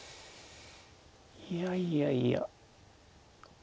いやいやいや。